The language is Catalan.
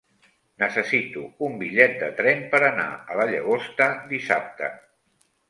Necessito un bitllet de tren per anar a la Llagosta dissabte.